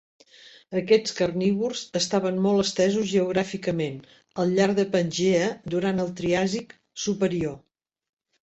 Aquests carnívors estaven molt estesos geogràficament, al llarg de Pangea, durant el Triàsic superior.